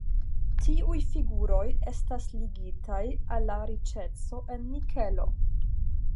Tiuj figuroj estas ligataj al la riĉeco en nikelo.